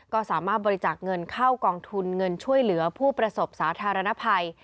ก็สามารถบริจาคเงินเข้ากองทุนเงินช่วยเหลือผู้ประสบสาธารณภัย